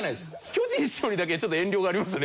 巨人師匠にだけちょっと遠慮がありますね。